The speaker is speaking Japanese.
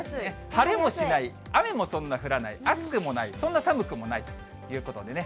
晴れもしない、雨もそんな降らない、暑くもない、そんな寒くもないということでね。